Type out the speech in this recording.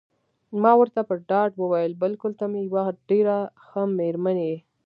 ما ورته په ډاډ وویل: بلکل ته مې یوه ډېره ښه میرمن یې.